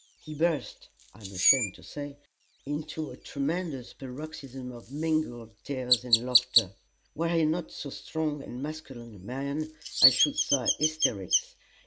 He burst I am ashamed to say into a tremendous paroxysm of mingled tears and laughter: were he not so strong and masculine a man, I should say, "hysterics."